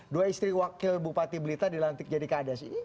dua istri wakil bupati blitar dilantik jadi kadasi